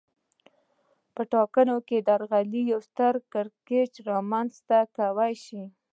په ټاکنو کې درغلي یو ستر کړکېچ رامنځته کولای شي